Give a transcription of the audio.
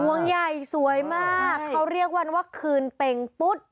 วงใหญ่สวยมากเขาเรียกวันว่าคืนเป็งปุ๊ด